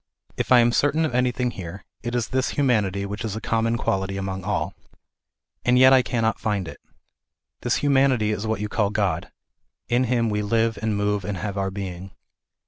If I am certain of anything here, it js this humanity which is a common quality among all, And yet I cannot find it. This humanity is what you call God. " In Him we live and move and have our being."